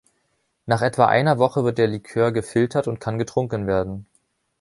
Nach etwa einer Woche wird der Likör gefiltert und kann getrunken werden.